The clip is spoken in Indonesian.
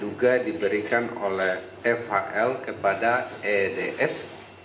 juga diberikan oleh fhl kepada eds